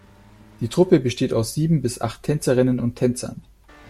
Die Truppe besteht aus sieben bis acht Tänzerinnen und Tänzern.